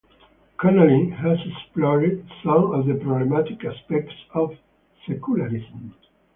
Connolly has explored some of the problematic aspects of secularism.